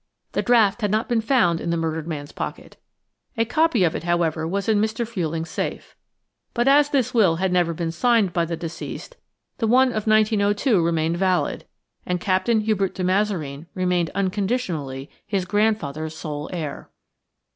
The draft had not been found in the murdered man's pocket. A copy of it, however, was in Mr. Fuelling's safe. But as this will had never been signed by the deceased the one of 1902 remained valid, and Captain Hubert de Mazareen remained unconditionally his grandfather's sole heir.